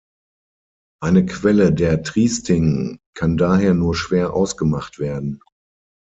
Eine Quelle der Triesting kann daher nur schwer ausgemacht werden.